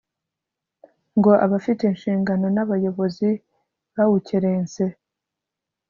ngo abafite inshingano nabayobozi bawukerense